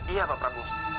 iya pak prabu